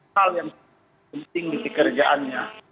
hal yang penting di pekerjaannya